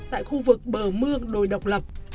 tại khu vực bờ mương đồi độc lập